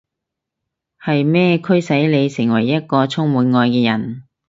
係咩驅使你成為一個充滿愛嘅人？